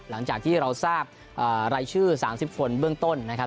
หลังจากที่เราทราบรายชื่อ๓๐คนเบื้องต้นนะครับ